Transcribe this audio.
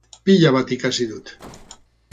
Pila bat ikasi dut.